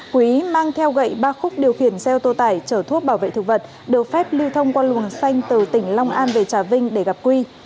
quý mang theo gậy ba khúc điều khiển xe ô tô tải chở thuốc bảo vệ thực vật được phép lưu thông qua luồng xanh từ tỉnh long an về trà vinh để gặp quy